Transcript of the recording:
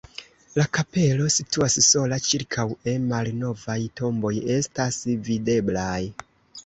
La kapelo situas sola, ĉirkaŭe malnovaj tomboj estas videblaj.